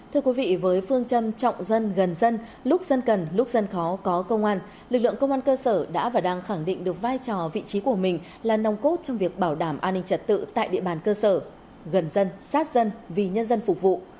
thưa quý vị với phương châm trọng dân gần dân lúc dân cần lúc dân khó có công an lực lượng công an cơ sở đã và đang khẳng định được vai trò vị trí của mình là nòng cốt trong việc bảo đảm an ninh trật tự tại địa bàn cơ sở gần dân sát dân vì nhân dân phục vụ